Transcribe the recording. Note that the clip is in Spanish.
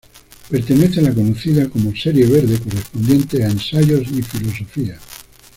Pertenece a la conocida como "serie verde", correspondiente a "Ensayos y filosofía".